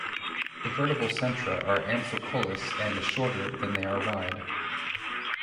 The vertebral centra are amphicoelous and shorter than they are wide.